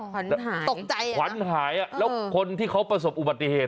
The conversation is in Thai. ขวัญหายตกใจขวัญหายอ่ะแล้วคนที่เขาประสบอุบัติเหตุ